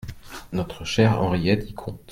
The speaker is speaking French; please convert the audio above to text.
Notre chère Henriette y compte.